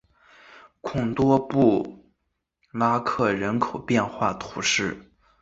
孔东多布拉克人口变化图示